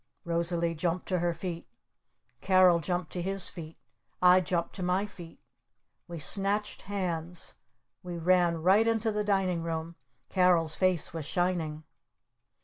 Rosalee jumped to her feet. Carol jumped to his feet. I jumped to my feet. We snatched hands. We ran right into the Dining Room. Carol's face was shining.